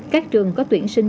các trường có tuyển sinh